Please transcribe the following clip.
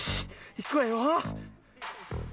いくわよ。